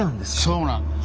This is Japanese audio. そうなんです。